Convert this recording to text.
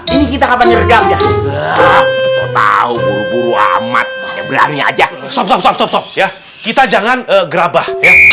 ini kita kapan jadwal tahu buru buru amat berani aja kita jangan gerabah